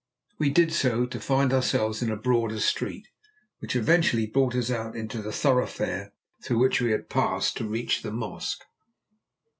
We did so, to find ourselves in a broader street, which eventually brought us out into the thoroughfare through which we had passed to reach the mosque.